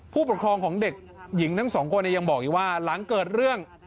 ผู้ปกครองของเด็กหญิงทั้งสองคนยังบอกอีกว่าหลังเกิดเรื่อง